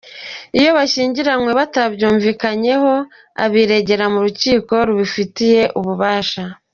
Iyo abashyingiranywe batabyumvikanyeho, abiregera mu rukiko rubifitiye ububasha.